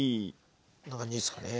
こんな感じですかね。